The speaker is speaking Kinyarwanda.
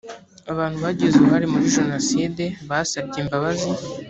abantu bagize uruhare muri jenoside basabye imbabazi